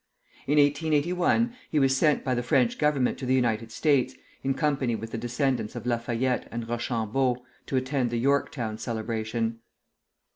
In 1881 he was sent by the French Government to the United States, in company with the descendants of Lafayette and Rochambeau, to attend the Yorktown celebration.